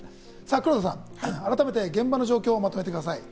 黒田さん、改めて現場の状況をまとめてください。